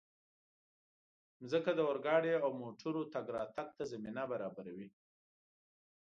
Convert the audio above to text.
مځکه د اورګاډي او موټرو تګ راتګ ته زمینه برابروي.